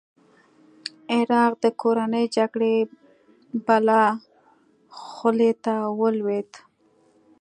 عراق د کورنۍ جګړې بلا خولې ته ولوېد.